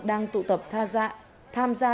đang tụ tập tham gia